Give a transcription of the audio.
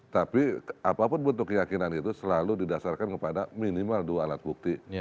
tapi apapun bentuk keyakinan itu selalu didasarkan kepada minimal dua alat bukti